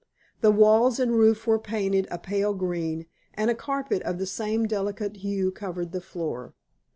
The walls and roof were painted a pale green, and a carpet of the same delicate hue covered the floor.